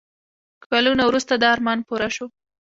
کلونه وروسته دا ارمان پوره شو.